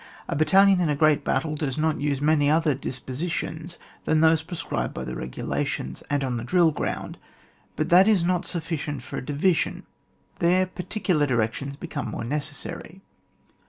A battalion in a great battle does not use many other dispositions than those prescribed by the regulations, and on the drill ground ; but that is not suf ficient for a division, there particular directions become more necessary.